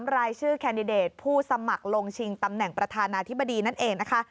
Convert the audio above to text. รายชื่อแคนดิเดตผู้สมัครลงชิงตำแหน่งประธานาธิบดีนั่นเองนะคะ